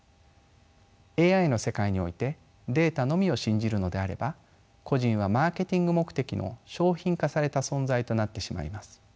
ＡＩの世界においてデータのみを信じるのであれば個人はマーケティング目的の商品化された存在となってしまいます。